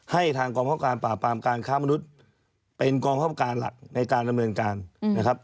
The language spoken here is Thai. ให้ทางกองประคับการปราบปรามการค้ามนุษย์เป็นกองคำการหลักในการดำเนินการนะครับ